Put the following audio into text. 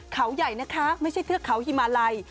เขาใหญ่นะคะไม่ใช่เทือกเขาฮิมาลัย